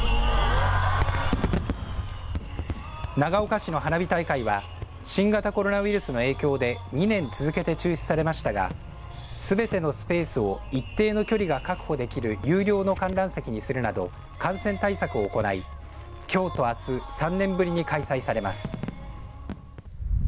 長岡市の花火大会は新型コロナウイルスの影響で２年続けて中止されましたがすべてのスペースを一定の距離が確保できる有料の観覧席にするなど感染対策を行いきょうとあす３年ぶりに開催されます。